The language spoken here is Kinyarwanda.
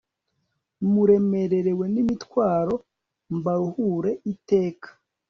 muremerewe n'imitwaro mbaruhure iteka